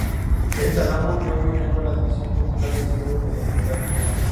El tálamo, luego inerva la división cortical del cerebro medio frontal.